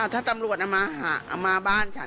ถ้าตำรวจเอามาบ้านฉัน